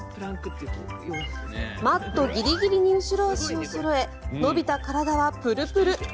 マットギリギリに後ろ足をそろえ伸びた体はプルプル。